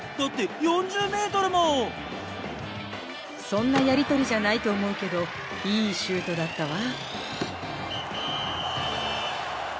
そんなやりとりじゃないと思うけどいいシュートだったわ。